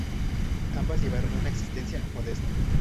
Ambas llevaron una existencia modesta.